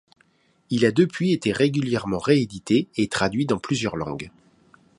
Il a depuis été régulièrement réédité et traduit dans plusieurs langues.